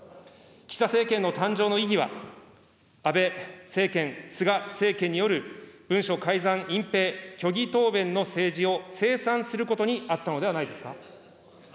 岸田政権の誕生の意義は、安倍政権・菅政権による文書改ざん、隠蔽、虚偽答弁の政治を清算することにあったのではないですか。